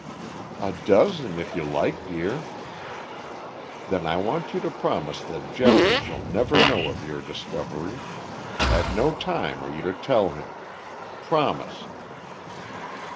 "A dozen if you like, dear." "Then I want you to promise that Geoffrey shall never know of your discovery. At no time are you to tell him. Promise."